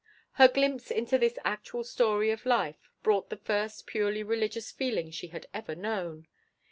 Her glimpse into this actual story of life brought the first purely religious feeling she had ever known.